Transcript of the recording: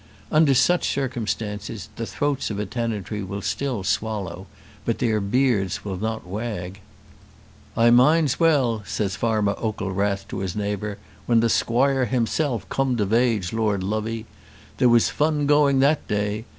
Under such circumstances the throats of a tenantry will still swallow, but their beards will not wag. "I minds well," said Farmer Oaklerath to his neighbour, "when the squoire hisself comed of age. Lord love 'ee! There was fun going that day.